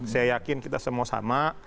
saya yakin kita semua sama